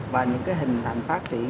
và những cái hình thành phát triển